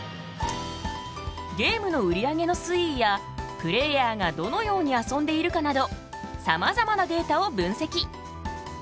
ゲームの売り上げの推移やプレーヤーがどのように遊んでいるかなどさまざまなデータを分析。